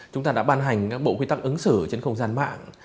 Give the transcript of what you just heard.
chúng ta đã ban hành các bộ quy tắc ứng xử trên không gian mạng